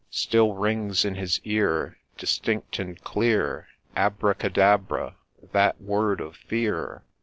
Still rings in his ear, Distinct and clear, Abracadabra 1 that word of fear